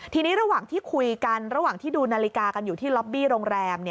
ทีนี้ระหว่างที่คุยกันระหว่างที่ดูนาฬิกากันอยู่ที่ล็อบบี้โรงแรม